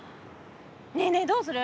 ねえねえどうする？